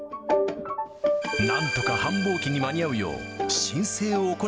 なんとか繁忙期に間に合うよ